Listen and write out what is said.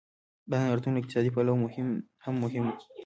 دا نندارتون له اقتصادي پلوه هم مهم و.